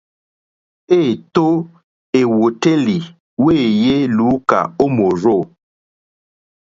Êtó èwòtélì wéèyé lùúkà ó mòrzô.